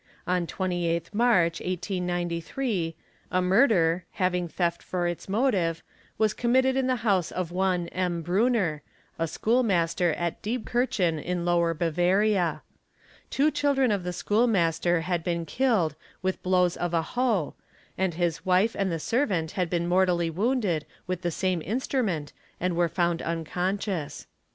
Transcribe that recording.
On 28th ] arch 1893, a murder, having theft for its motive, was committed in the house of one M. Brunner, a school master at Diebkirchen in Lower 86 EXAMINATION OF WITNESSES Bavaria. Two children of the school master had been killed with blows — of a hoe and his wife and the servant had been mortally wounded with the same instrument and were found unconscious.